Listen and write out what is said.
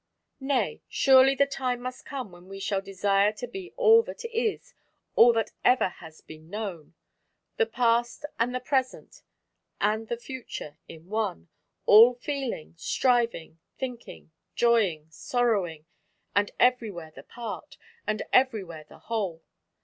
Nay! surely the time must come when we shall desire to be all that is, all that ever has been known, the past and the present and the future in one, all feeling, striving, thinking, joying, sorrowing, and everywhere the Part, and everywhere the Whole.